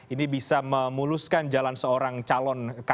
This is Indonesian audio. ini bisa memuluskan jalan seorang calon